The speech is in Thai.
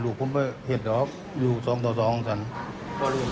ลูกผมเห็นของฉัน๒ต่อ๒ค่ะ